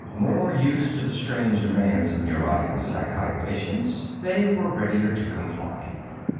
More used to the strange demands of neurotic and psychotic patients, they were readier to comply.